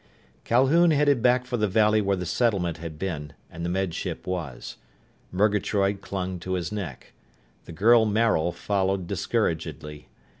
Calhoun headed back for the valley where the settlement had been, and the Med Ship was. Murgatroyd clung to his neck. The girl Maril followed discouragedly.